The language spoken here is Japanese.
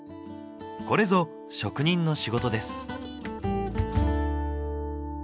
これぞ職人の仕事です。